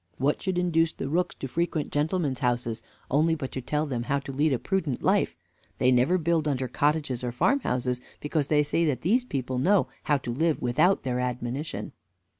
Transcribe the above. What should induce the rooks to frequent gentlemen's houses, only but to tell them how to lead a prudent life? they never build under cottages or farmhouses, because they see that these people know how to live without their admonition.